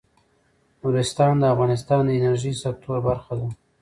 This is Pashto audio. نورستان د افغانستان د انرژۍ سکتور برخه ده.